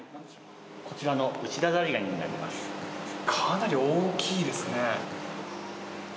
こちらのウチダザリガニになかなり大きいですね。